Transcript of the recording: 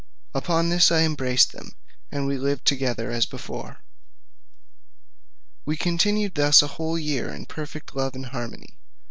Upon this I embraced them, and we lived together as before. We continued thus a whole year in perfect love and harmony.